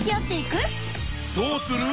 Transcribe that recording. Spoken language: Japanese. こうする！